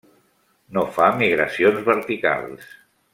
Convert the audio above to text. No fa migracions verticals.